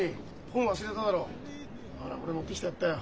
ほらこれ持ってきてやったよ。